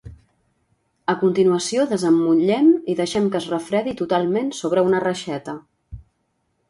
A continuació desemmotllem i deixem que es refredi totalment sobre una reixeta.